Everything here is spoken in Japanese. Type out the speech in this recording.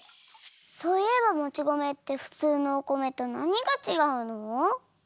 そういえばもち米ってふつうのお米となにがちがうの？